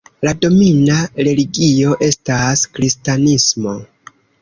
La domina religio estas kristanismo.